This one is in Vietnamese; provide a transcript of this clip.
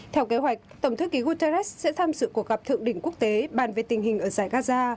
theo kế hoạch tổng thư ký guterres sẽ tham dự cuộc gặp thượng đỉnh quốc tế bàn về tình hình ở giải gaza